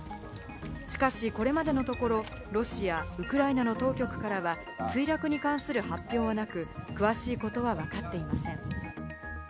しかし、これまでのところロシア、ウクライナの当局からは墜落に関する発表はなく、詳しいことはわかっていません。